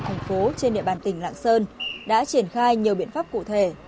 thành phố trên địa bàn tỉnh lạng sơn đã triển khai nhiều biện pháp cụ thể